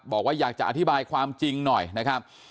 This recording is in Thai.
บอกว่าอยากจะอธิบายความจริงหน่อยนะครับ